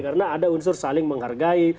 karena ada unsur saling menghargai